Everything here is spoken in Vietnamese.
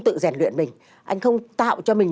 tự rèn luyện mình anh không tạo cho mình